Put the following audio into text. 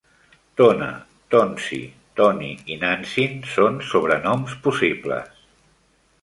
Tona, Tonzi, Toni i Nantzin són sobrenoms possibles.